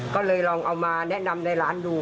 ก็เลยลองเอามาแนะนำในร้านดู